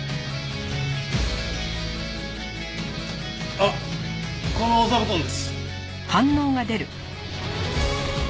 あっこの座布団です。